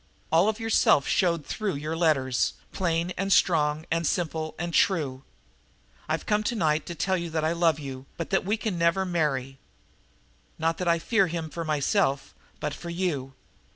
All of yourself showed through your letters, plain and strong and simple and true. I've come tonight to tell you that I love you, but that we can never marry. Not that I fear him for myself, but for you."